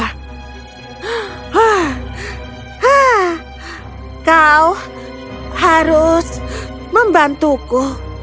hah hah kau harus membantuku